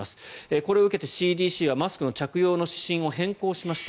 これを受けてＣＤＣはマスクの着用の指針を変更しました。